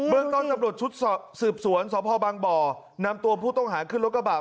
เมืองต้นตำรวจชุดสืบสวนสพบางบ่อนำตัวผู้ต้องหาขึ้นรถกระบะ